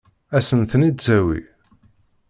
Ad sen-ten-id-tawi?